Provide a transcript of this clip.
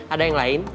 ada yang lain